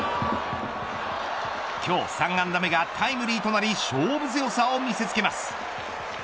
今日３安打目がタイムリーとなり勝負強さを見せつけます。